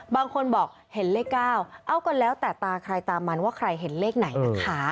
บางคนบอกเห็นเลข๙เอาก็แล้วแต่ตาใครตามมันว่าใครเห็นเลขไหนนะคะ